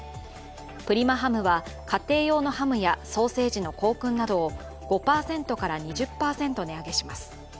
プリマハムは、家庭用のハムやソーセージの香薫などを５％から２０％値上げします。